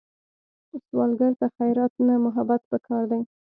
سوالګر ته خیرات نه، محبت پکار دی